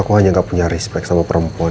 aku hanya gak punya respect sama perempuan